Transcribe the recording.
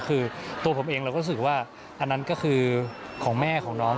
คือตัวผมเองเราก็รู้สึกว่าอันนั้นก็คือของแม่ของน้อง